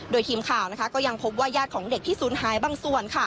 โดยทีมข่าวก็ยังพบว่าญาติของเด็กที่ศูนย์หายบางส่วน